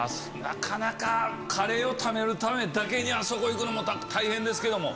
なかなかカレーを食べるためだけにあそこ行くのも大変ですけども。